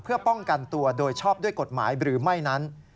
เพื่อป้องกันตัวโดยชอบด้วยกฎหมายหรือไม่นั้น